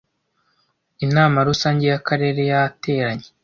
inama rusange y akarere yateranye